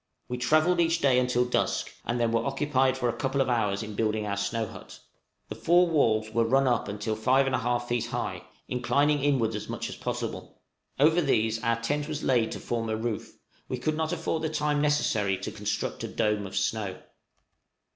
We travelled each day until dusk, and then were occupied for a couple of hours in building our snow hut. The four walls were run up until 5 1/2 feet high, inclining inwards as much as possible; over these our tent was laid to form a roof; we could not afford the time necessary to construct a dome of snow.